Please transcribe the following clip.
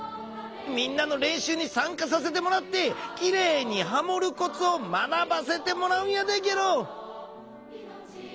みんなのれんしゅうにさんかさせてもらってきれいにハモるコツを学ばせてもらうんやでゲロ。